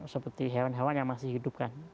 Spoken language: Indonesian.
seperti hewan hewan yang masih hidup kan